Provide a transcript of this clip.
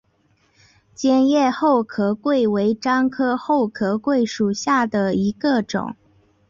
尖叶厚壳桂为樟科厚壳桂属下的一个种。